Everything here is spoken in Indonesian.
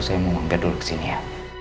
saya mau mampir dulu kesini ya